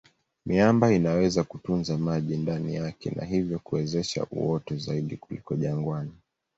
Miamba inaweza kutunza maji ndani yake na hivyo kuwezesha uoto zaidi kuliko jangwani.